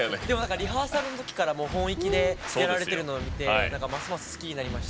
リハーサルのときから本意気でやっているのを見てますます好きになりました。